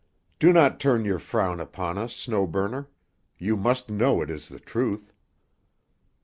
Do not turn your frown upon us, Snow Burner; you must know it is the truth."